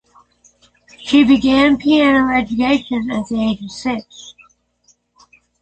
She began piano education at the age of six.